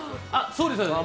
そうです、そうです。